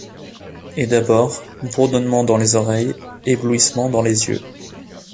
Et d’abord, bourdonnement dans les oreilles, éblouissement dans les yeux.